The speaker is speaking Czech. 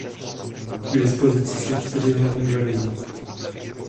K dispozici jsou čtyři hlavní verze.